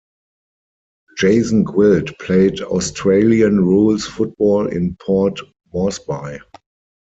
Jason Gwilt played Australian rules football in Port Moresby.